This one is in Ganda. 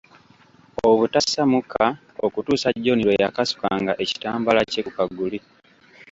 Obutassa mukka okutuusa John lwe yakasukanga ekitambaala kye ku kaguli.